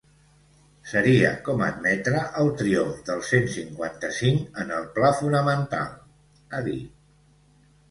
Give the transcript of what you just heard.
Seria com admetre el triomf del cent cinquanta-cinc en el pla fonamental, ha dit.